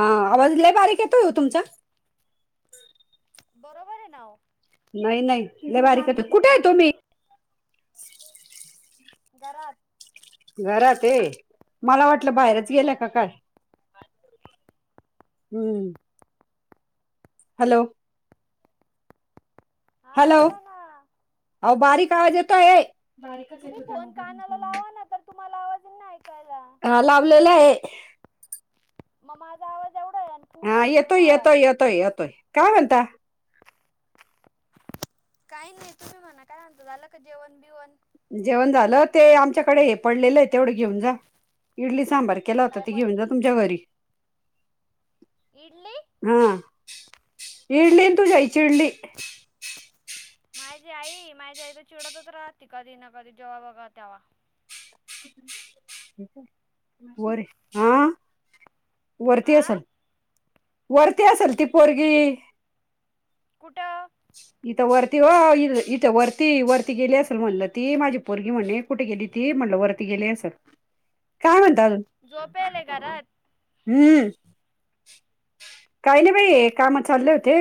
हा आवाजला बारीक येतो ये तुमचा? बरोबर आहे नाव नाही नाही लेवारी क कुठे आहे तु म्ही घरात घरात आहे मला वाटलं बाहेरच गेल्या का काय? हम्म. हॅलो. हा बोला ना. अ बारीक आवाज येतो आहे बारीकच तुम्ही येतो फोन कानाला त्याय लावा ना तर तुम्हाला आवाजे ना ऐकायला ह लाभलेला आहे. मग माझा आवाज एवढा आहे. फुल हा आहे इकडून येतोय आवाज येतोय येतोय येतोय काय म्हणता. काही नाही तुम्ही म्हणा काय म्हणता झालं का जेवण बिवण जेवण झालं ते आमच्याकडे हे पडलेलं आहे तेवढं घेऊन जा इडली सांबार केला होता काय त घे पडेल म्हणज हे? तुमच्या घरी इडली. हा इडलीन तू जाय चिडली माझी आई माझी आईला चिडतच राहती. कधी ना कधी जेव्हा बघा तेव्हा वर हा वरती हा असाल. वरती असेल ती पोरगी कुठं? इथं वरती हो इ इथं वरती वरती गेली असेल म्हणलं ती माझी पोरगी म्हणे. कुठे गेली ती म्हणल वरती गेली असल काय म्हणत अजून झोपेले घरात हम्म काही नाही बाई कामा चाल्ले होतेे.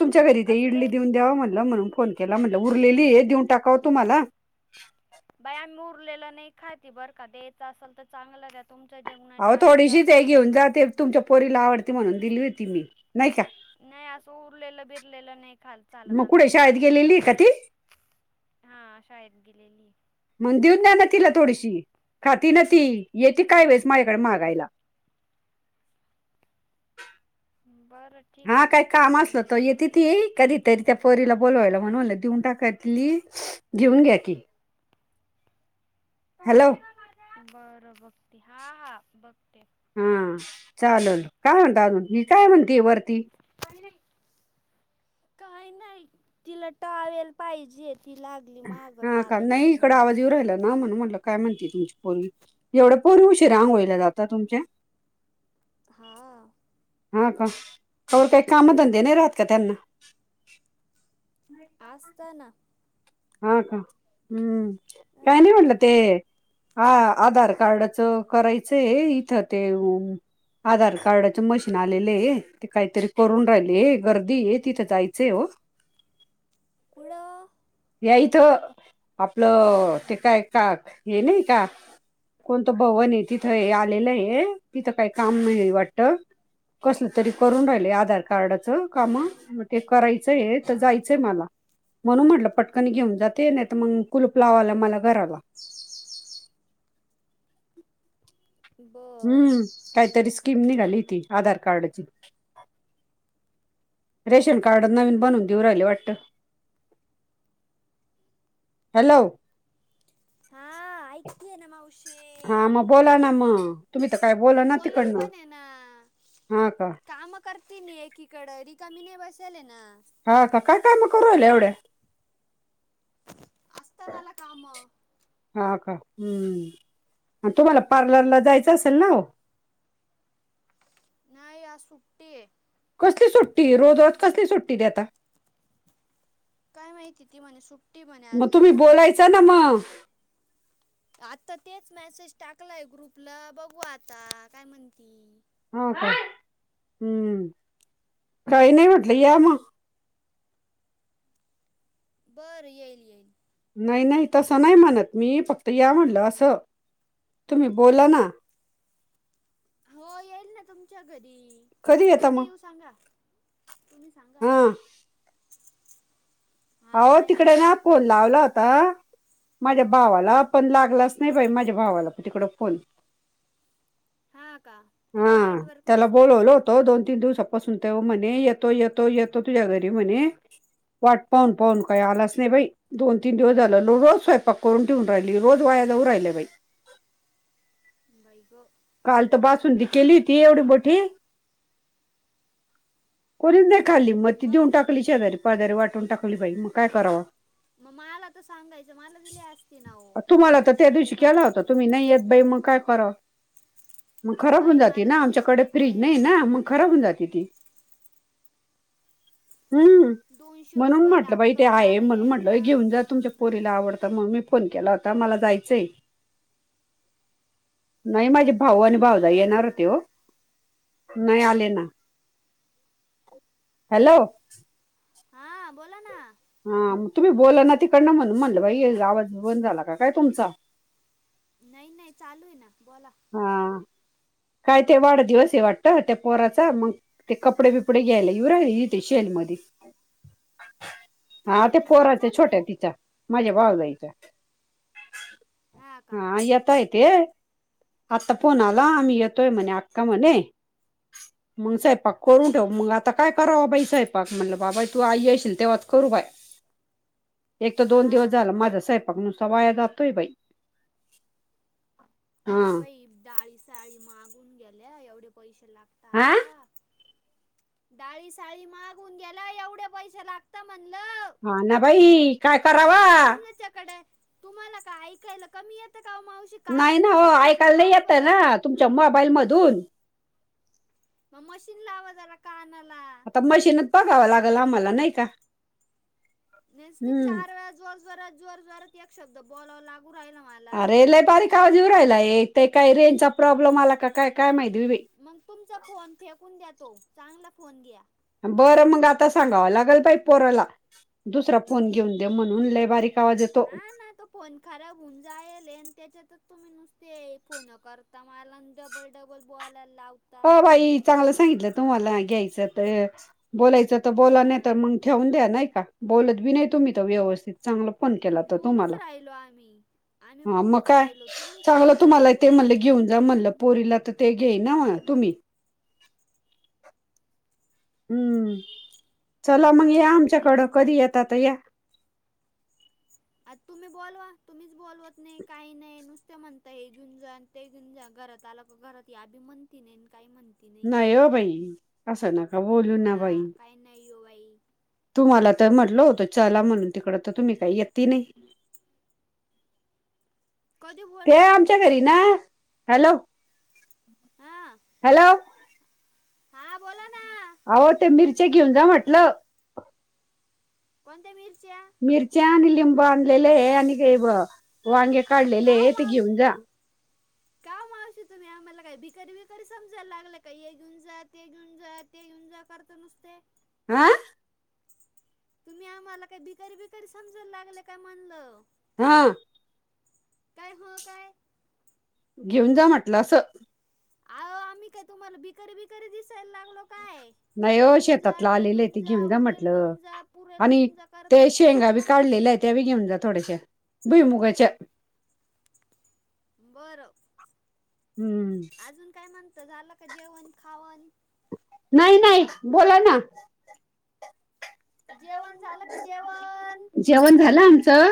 तुमच्या घरी ते कसले इडली देऊन द्याव म्हटलं म्हणून फोन केला म्हटलं उरलेली आहे देऊन टाकाव तुम्हाला बाई आम्ही उरलेला नाही खातती बर का द्यायचं असेल तर चांगलं. तुमचं अहो जगणाच्या आधीच थोडीशीच असाल आहे तर घेऊन द्या. जा ते तुमच्या पोरीला आवडती म्हणून दिली होती मी नाही का? नाही असं उरलेलं बिरलेलं नाही खालत. मगकुड शाळद गेलेली कथी हा शाळेत गेलेली मग देऊन द्या ना तिला थोडीशी खातात ना ती येते काय वेळेस माझ्याकडे मागायला [unintelligible] बरं ठीक हा आहे काय बघते काम तिला असलं तर ये विचारून तिथ ये कधी तरी त्या पोरीला बोलवायला म्हण म्हलं देऊन टाकातली घेऊन घ्या की हॅलो बरं बघते हा हा बघते. हा चालेल काय म्हणत अजून मी काय म्हणते वरती काही नाही तिला टावेल पाहिजे तिला हा का नाही इकड आवाजीवर राहिला ना म्हण म्हणलं. काय म्हणती तुमची पर्वी एवढ्या पर शिराांग होयला जाता तुमच्या हा. हा का खबर काही कामधंदे नाही हम्म राहात का त्यांना नाही. असस्ताना हा का हम्म अ काय नाही म्हटलं ते हा आधार कार्डच करायचंय इथं ते आधार कार्डाच मशीन आलेले आहे हे ते काहीतरी करून राहिले हे गर्दी हे तिथं जायचंय हो पुडं याईथ आपलं अ ते काय का ये नाई का कोणतं भवन तिथंये आलेलंय तिथं काही काम नाहीये वाटत कसलं तरी करून राहिले हा आधार कार्डात जायचं का मंग ते करायचंय तय जायचंय मला म्हणून म्हटल पट कणी घेऊन जाते नाही त मग कुलूप लावाला मला घराला बरं. हम्म काहीतरी स्कीम निघाली ती आधार कार्डची रेशन कार्ड नवीन बनून देऊ राहिले वाटतं हॅलो हा ऐकतेय ना हा मावशी म बोला ना मअ तुम्हीत काय बोला मग ना बोलत तिकडनं पण आहे हा का करती मी एकीकड रिकामी नाही बशेल ना हा का काय काम करू राहिल्या एवढ्या असत मला कामं हा का हम् अन तुम्हाला पार्लरला जायचं असेल ना ओ नाही आज सुट्टी ये कसली सुट्टी रोज रज कसली सुट्टी ती आता काय माहिती ती म्हणे सुट्टी म्हणे मग आदला तुम्ही मोठा पाऊस बोलायचं ना पडणारे मग आता तेच मॅसेज टाकलाय ग्रुपला बघू आता काय म्हणती हो का हम्म काही नाही म्हटलं हम्म या मग बरं येलल येल नाही नाही तसं नाही म्हणत मी फक्त या म्हणलं असं तुम्ही बोला ना हो येईल ना तुमच्या घरी येता कधी मग येऊ सांगा तुम्ही सांगा हा हा अहो काय तिकड ना फोन लावला होता माझ्या भावाला पण लागलाच नाही बाई माझ्या भावाला पण तिकडं फोन हा का तिथे हाआ नेटवर्क त्याला नसेल बोलवल तो दोन तीन दिवसपासून तो म्हणे येतो येतो येतो तुझ्या घरी म्हणे वाट पाहुन पाहुन काय आलास नाही बाई दोन तीन दिवस झाल रोज स्वयंपाक करून ठेवून राहिली रोज वाया जाऊ राहिले बाई बाईगं काल तर बासुंदी केली होती एवढी मोठी कोणीच नाही खाल्ली म ती मग देऊन टाकली शेजारी पाजारी वाटून टाकली बाई म काय करावा मग माला तर सांगायचं माला दिली असती ना ओ तुम्हाला तर कशाला त्या शेजारी दिवशी केला पाजारी होता तुम्ही दिली नाही येत बाई मग काय करावा मग खराब होऊन बाई जाते मला ना दोनशे आमच्याकडं फ्रीज रुपये नाही ना मग खराब होऊन जाते ती हम्म दोनशे म्हणून रुपये म्हटलं बाई ते लागतं हाये मला म्हणून म्हटलं यायला घेऊन जा तुमच्या पोरीला आवडतं मग मी फोन केला होता मला जायचंय नाही माझे भाऊ आणि भाऊजाई येणार बरं होते हो नाही आले ना हॅलो हा बोला ना हा मं तुम्ही बोला ना तिकडन म्हणून म्हणलं बाई येचा आवाज बंद झाला का काय तुमचा नाही नाही चालूयना बोला हा काय ते वाडदिवस हे वाटत त्या पोराचा मग ते कपडे बिपडे घ्यायला येऊ राहिले इथे शेल मध्ये हा तुमच्या ते इथं शेल पोराच्या चालू छोट्या आहे तिच्या माझ्या भावजाईच्या हा येतायते आत्ता फोन आला आम्ही येतोय म्हणे आक्का म्हणे मग हम्म, स्वयंपाक करून ठेव मग आता काय कराव बाई स्वयंपाक म्हटलं बाबा तू आई येशील तेव्हाच करू बाय. एक तर दोन दिवस हा झाल माझा स्वयंपाक नुसता वाया जातोय बाई हा बाई डाळी साळी माहागून गेल्या एवढे पैसे लाग हा आता. डाळी, साळी माहागून गेला एवढे पैसे लागत म्हणलं. हा ना बाई काय करावा तुमच्या या कडे तुम्हाला का ऐकायला कमी यतां का मावशी नाही कानात ना हो मशीन बिशीन ऐकायला नाही लावा येतं बरं ना तुमच्या मोबाईल मधून मग मशीन लावा जरा कानाला मशीनत बघावं लागेल आम्हाला नाही का. नेचत हम्म चार वेळा जोर जोरात, जोर जोरात एक शब्द बोला लागू राहिला मला. अरेलय बारीक आवाज येऊ राहिला ते काही रेंजचा प्रॉब्लेम आला काय काय माहिती बाई. मग तुमचा फोन फेकून द्या तो चांगला फोन घ्या. बरं मग आता सांगावं लागेल बाई पोरला दुसरा फोन घेऊन दे म्हणून लय बारीक आवाज येत हा ना तो. फोन खराब होऊन जायेल आणि त्याच्यातच तुम्ही नुसते फोन करता मला ज डबल, डबल बोलायला लाव अ बाई चांगलं सांगितलं तुम्हाला घ्यायच त. बोलायचं तर बोला नाही तर हा मग ठेवून द्या नाही का बोलत बी नाहीय तुम्ही त व्यवस्थित चांगलं फोन केला तर बोलूच तुम्हाला राहिलो आम्ही. आम्ही हा मग बोलूच काय. राहिलो तुम्हीच चांगलं हे तुम्हाला ते करू म्हणले राहिले घेऊन मी जा काय म्हणलं करू. पोरीला तर ते घेई ना तुम्ही हम्म चला मग या बरं बघती आमच्याकडं घेऊन कधी जाईल. येत आता या. आ तुम्ही बोलवा तुम्हीच बोलवत नाही काही नाही नुसत म्हणताय हे घेेवुुनजा ते घेवुनजा घरात आला का घरात याभी म्हणती नाही काही म्हणती नाही हो बाई असं ना. बोलू हा बाई काही नाही हो बाई. तुम्हाला तर म्हटलं होतं चला म्हणून तिकड तर तुम्ही काही येती नाही. कधी ते बोलले हो आमच्या तुम्ही घरी ना हॅलो हा हॅलो. हा बोला ना अहो ते मिरचे घेऊन जा म्हटलं. कोणत्या मिरच्या? मिरची आणि लिंब आणलेले आणि का ब वांग का हो का हो [unintelligible] तुम्ही आम्हाला काही भिकारी विकारी समजायला लागल का हे घेऊन जाय ते घेऊन जा ते घेऊन जा करत नुसत. आं? तुम्ही आम्हाला काही भिकारी बिकारी समजायला लागले काय म्हणल. हा. काय हो काय? घेऊन जा म्हटलं असं. अ आम्ही काय तुम्हाला भिकारी बिकारी दिसायला लागलो काय? नाही हे हो घेऊन जा शेतातला ते आलेले घेऊन जा, उरेल म्हटलं घेऊन जा, पुरेल घेऊन जा, करत नसतं मला. त्याबी घेऊन जा थोड्याश्या भुईमुगाच्या. बरं. हम्म. अजून काय म्हणत झालं का जेवण खावन? नाही नाही बोला ना. जेवण झालं का जेवण जेवण झालं आमचं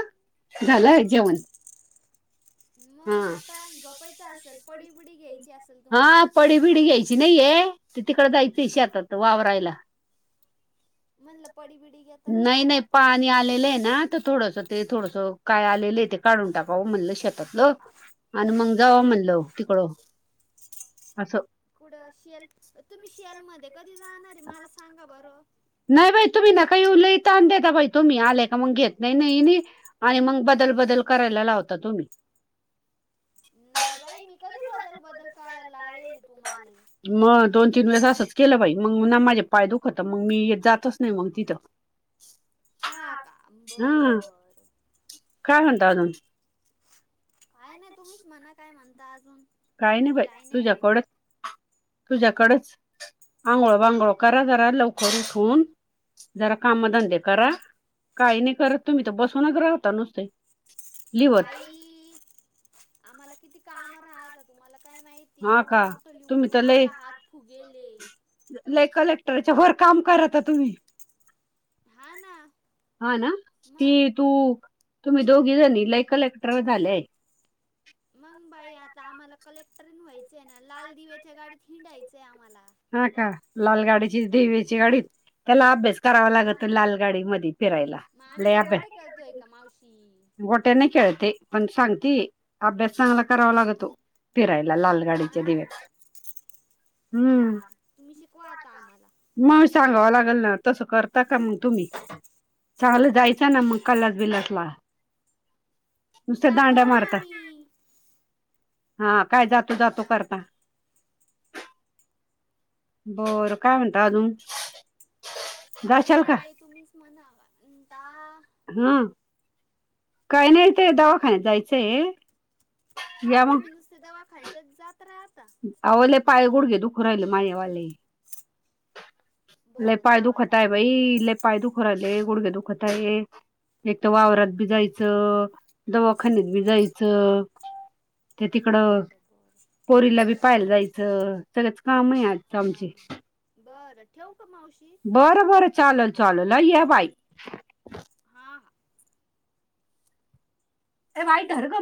झालं जेवण [inaudible] हा मग आता जोपायच असेल पडी बडी घ्यायची असेल तुम्हाला अशी नाहीये त तिकडे जायचंशी आत वावरायला मणल पढी पिढी नाही नाही पाणी आलेलं आहे ना तर थोडस ते थोडस काय आलेलं ते काढून टाकावं म्हणलं शेतातलं आणि मग जाव म्हणलं तिकडं असं कुढं शेल तुम्ही शेल मध्ये कधी जाणार आहे मला सांगा बरं नाही बाई तुम्ही ना काही उलहीता आण दता बाई तुम्ही आले का मग घेत नाही नाही आणि मग बदल बदल करायला लावता तुम्ही नाही बाई मी कधी बदल बदल करायला लावेेल तुम्हाला मग दोन तीन वेळ असंच केलं बाई मग ना माझे पाय दुखत मग मी जातच नाही मग तिथं [unintelligible] हा का हा बर काय म्हणता अजून काय नाही तुम्हीच म्हणा काय म्हणता अजून काही नाही बाई तुझ्याकडंच तुझ्याकडंच अांगोळ बांगोळ करा करा लवकर उठून जरा कामधंदे करा काही नाही करत तुम्ही तर बसूनच राहता नुसते लिवत बाई आम्हाला किती काम राहता तुम्हाला काय माहिित ती हा एवढं का मोठं तुम्ही लिहलू तर लय माझा हात फुगेले कलेक्टरच्या भर काम कर आ तुम्ही हा ना हा ना त मग तू तुम्ही दोघी जणी लाई कलेक्टर झालेय मग बाई आता आम्हाला कलेक्टरीन व्हायचंय ना लाल दिव्याच्या गाडीत हिंडायचंय आम्हाला हा का लाल गाडीची देवीची गाडीच त्याला अभ्यास करावा हा लागत लाल गाडी मधी फिरायला मग आम्ही काय यापे वाटे करतोय का मावशी गोटेन कळती पण सांगते अभ्यास चांगला करावा लागतो फिरायला लाल गाडीच्या हा ना दिवस हम्म हा तुम्ही शिकवा आता आम्हाला ह मग गयचा सांगावं ला लागेल ना तसं करता का मग तुम्ही चांगलं जायचं ना मग नुसऱ्या दांड्या मारत आम्ही हा काय जातो जातो करता बरं काय म्हणत अजून काही जाशाल नाही का बाई तुम्हीच म्हणाता हम्म काही नाही ते दवाखान्यात जायचंय का या मग तुम्ही नुसते दवाखाण्यातच जात राहता कराहिल माय वा लय बरं पाय जावा दुखत आहे जावा बाई मी लय येत पाय दुखु राहिले गुडघे दुखत आहे एक तर वावरात बी जायचं दवाखान्यात बी जायचं ते तिकड बरं बरं पोरीला बी पायला जायचं सगळंच काम आहे आज हा आमचे हा बरं ठेव का मावशी बरं बरं चाल चालल लई या बाई हा हा हे वाईट आहेर का